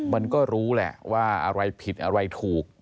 มันก็รู้แหละว่าอะไรผิดอะไรถูก